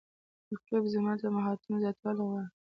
رقیب زما د مهارتونو زیاتوالی غواړي